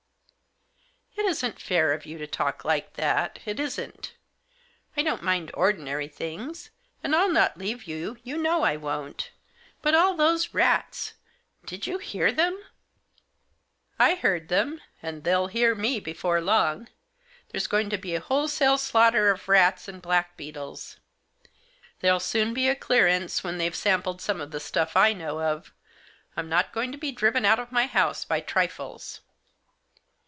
" It isn't fair of you to talk like that — it isn't. I don't mind ordinary things — and I'll not leave you, you know I won't. But all those rats ! Did you hear them ?"" I heard them, and they'll hear me before long. There's going to be a wholesale slaughter of rats, and blackbeetles. There'll soon be a clearance when they've sampled some of the stuff I know of. I'm not going to be driven out of my own house by trifles."